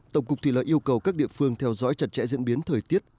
tổng cục thủy lợi yêu cầu các địa phương theo dõi chặt chẽ diễn biến thời tiết